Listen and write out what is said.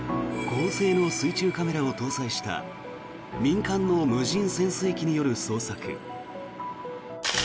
高性能水中カメラを搭載した民間の無人潜水機による捜索。